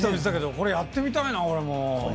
これやってみたいな、俺も。